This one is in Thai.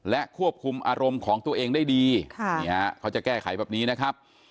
และควบคุมอารมณ์ของตัวเองได้ดีเขาจะแก้ไขแบบนี้นะครับ